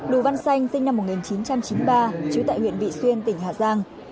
đù văn xanh sinh năm một nghìn chín trăm chín mươi ba trú tại huyện vị xuyên tỉnh hà giang